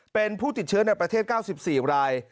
เป็นผู้ติดเชื้อในประเทศ๙๔ราย